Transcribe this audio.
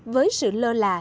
với sự lơ là